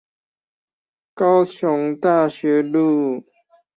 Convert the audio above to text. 高雄大學路